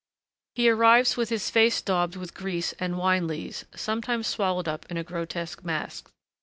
He arrives with his face daubed with grease and wine lees, sometimes swallowed up in a grotesque mask.